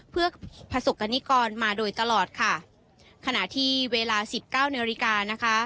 เพื่อพระศักรณิกรมาโดยตลอดค่ะขณะที่เวลา๑๙นนะคะ